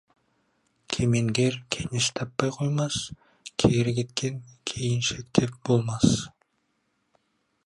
Кемеңгер кеңес таппай қоймас, кері кеткен кейіншектеп болмас.